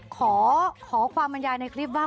ขอความัญญาณในคลิปว่า